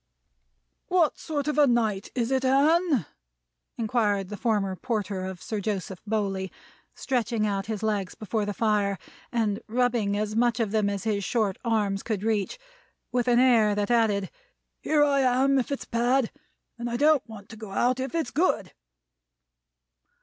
"What sort of a night is it, Anne?" inquired the former porter of Sir Joseph Bowley, stretching out his legs before the fire, and rubbing as much of them as his short arms could reach; with an air that added, "Here I am if it's bad, and I don't want to go out if it's good."